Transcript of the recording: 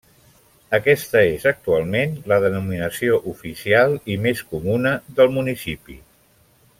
Aquesta és actualment la denominació oficial i més comuna del municipi.